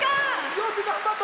よく頑張った！